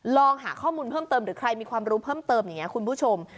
ลองหาข้อมูลเพิ่มเติมหรือใครมีความรู้เพิ่มเติมอย่างนี้คุณผู้ชม